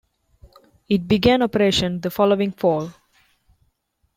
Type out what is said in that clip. It began operation the following Fall.